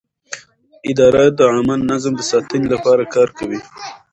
اداره د عامه نظم د ساتنې لپاره کار کوي.